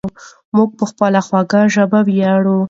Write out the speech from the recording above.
موږ په خپله خوږه ژبه ویاړو.